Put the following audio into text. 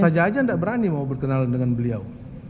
saja tidak berani mau berkenalan dengan beliau